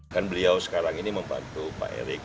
dan beliau sekarang ini membantu pak erick